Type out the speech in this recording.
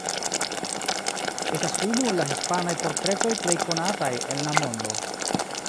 Estas unu el la hispanaj portretoj plej konataj en la mondo.